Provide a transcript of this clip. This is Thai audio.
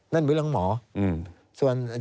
นั่นเป็นเรื่องของหมอ